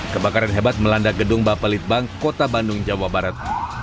kebakaran hebat melanda gedung bapelitbang kota bandung jawa barat